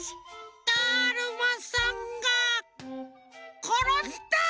だるまさんがころんだ！